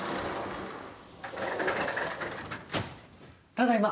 ただいま。